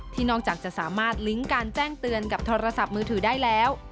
นอกจากจะสามารถลิงก์การแจ้งเตือนกับโทรศัพท์มือถือได้แล้ว